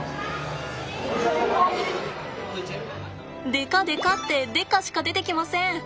デカデカってデカしか出てきません。